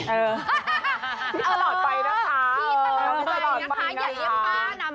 พี่ตลอดไปนะคะ